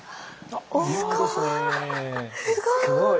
すごい！